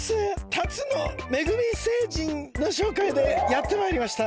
龍野恵実星人の紹介でやってまいりました。